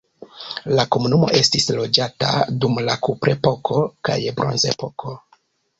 La komunumo estis loĝata dum la kuprepoko kaj bronzepoko.